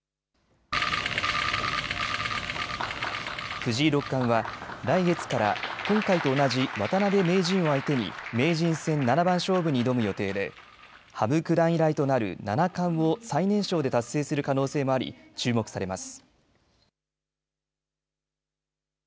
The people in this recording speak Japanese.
藤井六冠は来月から今回と同じ渡辺名人を相手に名人戦七番勝負に挑む予定で羽生九段以来となる七冠を最年少で達成する可能性もあり注目されます。